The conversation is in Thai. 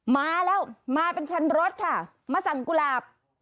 มาแล้วมาเป็นคันรถค่ะมาสั่งกุหลาบ